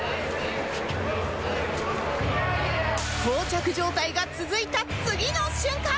膠着状態が続いた次の瞬間